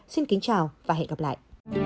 xin kính chào và hẹn gặp lại